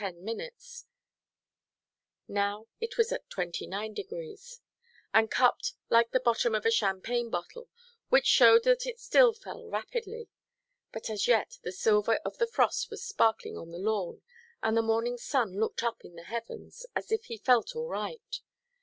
Now it was at 29°, and cupped like the bottom of a champagne bottle, which showed that it still fell rapidly. But as yet the silver of the frost was sparkling on the lawn, and the morning sun looked up the heavens, as if he felt all right.